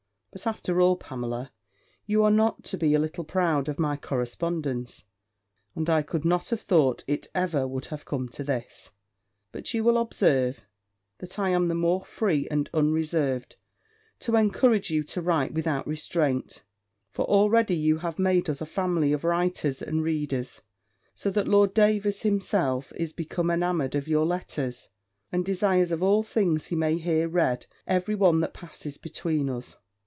But, after all, Pamela, you are not to be a little proud of my correspondence; and I could not have thought it ever would have come to this; but you will observe, that I am the more free and unreserved, to encourage you to write without restraint: for already you have made us a family of writers and readers; so that Lord Davers himself is become enamoured of your letters, and desires of all things he may hear read every one that passes between us.